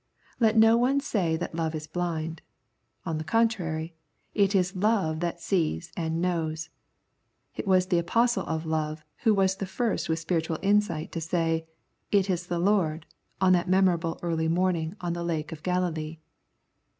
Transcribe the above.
Let no one say that love is blind : on the contrary, it is love that sees and knows. It was the Apostle of love who was the first with spiritual insight to say, " It is the Lord," on that memorable early morning on the Lake of Galilee.